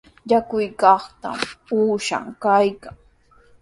Yakukaqtraw uushan kaykan.